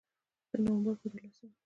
د نومبر په دولسمه